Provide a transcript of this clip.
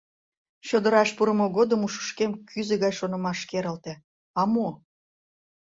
Чодыраш пурымо годым ушышкем кӱзӧ гай шонымаш керылте, а мо?..